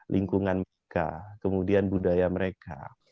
lingkungan mereka kemudian budaya mereka